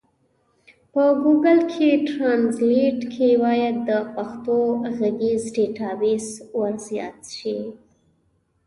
په ګوګل ټرانزلېټ کي بايد د پښتو ږغيز ډيټابيس ورزيات سي.